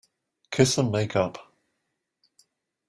Kiss and make up.